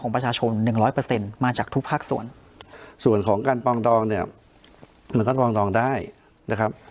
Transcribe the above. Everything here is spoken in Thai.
ของการปล่องรองเนี้ยแต่การปล่องรองได้นะครับ